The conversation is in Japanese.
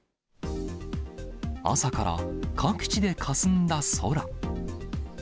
朝から各地でかすんだ空。